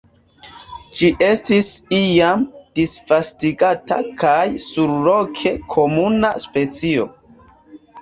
Ĝi estis iam disvastigata kaj surloke komuna specio.